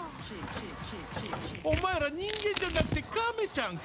お前ら、人間じゃなくてカメちゃんか！